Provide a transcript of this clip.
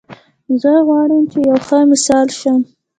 زه غواړم چې یو ښه مثال شم